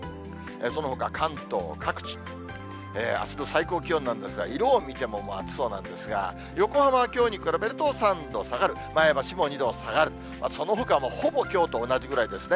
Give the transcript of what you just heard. そのほか関東各地、あすの最高気温なんですが、色を見てももう暑そうなんですが、横浜はきょうに比べると３度下がる、前橋も２度下がる、そのほかもほぼきょうと同じぐらいですね。